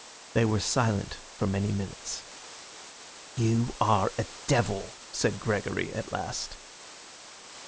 They were silent for many minutes. "You are a devil!" said Gregory at last.